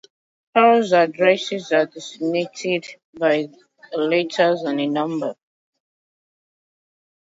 House addresses are designated by a letter and a number.